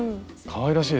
かわいい。